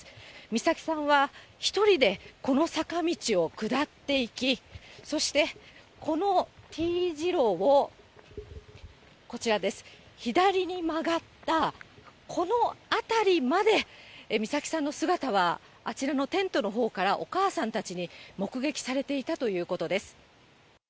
美咲さんは１人で、この坂道を下っていき、そして、このＴ字路をこちらです、左に曲がった、この辺りまで、美咲さんの姿は、あちらのテントのほうからお母さんたちに目撃されていたということです。